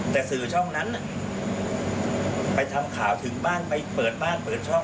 แต่สื่อช่องนั้นไปทำข่าวถึงบ้านไปเปิดบ้านเปิดช่อง